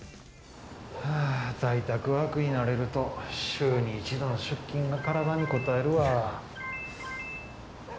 はぁー、在宅ワークに慣れると、週に１度の出勤が体にこたえるわ。